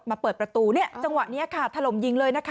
มาเปิดประตูจังหวะนี้ถล่มยิงเลยนะคะ